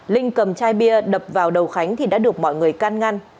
linh cầm chai bia đập vào đầu khánh thì đã được mọi người can ngăn